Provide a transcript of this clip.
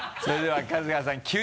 それでは春日さん。